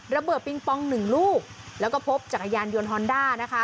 ระเบิดปิงปองหนึ่งลูกแล้วก็พบจักรยานยนต์ฮอนด้านะคะ